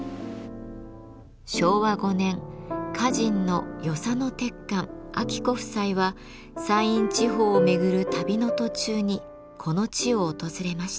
昭和５年歌人の与謝野鉄幹晶子夫妻は山陰地方を巡る旅の途中にこの地を訪れました。